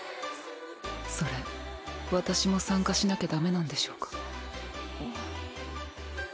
それ私も参加しなきゃだめなんでしょうか？